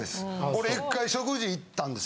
俺１回食事行ったんです。